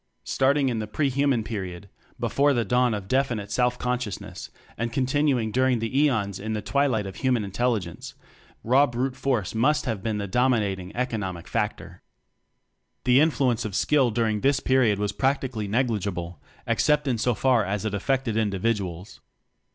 Starting in the pre human period, before the dawn of definite self con sciousness, and continuing during eons in the twilight of human intelli gence, raw brute force must have been the dominating economic factor. The influence of Skill during this period was practically negligible, ex cept in so far as it affected indi viduals.